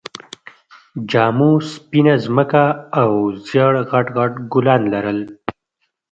جامو سپينه ځمکه او ژېړ غټ غټ ګلان لرل